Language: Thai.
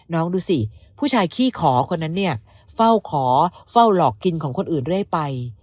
ดูสิผู้ชายขี้ขอคนนั้นเนี่ยเฝ้าขอเฝ้าหลอกกินของคนอื่นเรื่อยไป